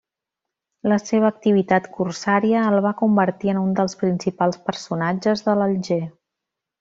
La seva activitat corsària el va convertir en un dels principals personatges d'Alger.